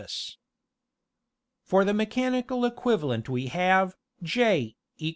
For the mechanical equivalent we have J=772A.